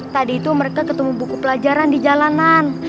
tadi itu mereka ketemu buku pelajaran di jalanan